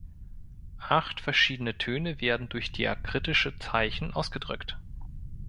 Acht verschiedene Töne werden durch diakritische Zeichen ausgedrückt.